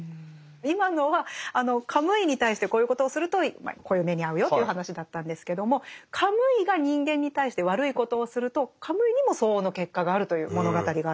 今のはカムイに対してこういうことをするとこういう目に遭うよという話だったんですけどもカムイが人間に対して悪いことをするとカムイにも相応の結果があるという物語があるんですね。へ。